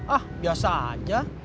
ah biasa aja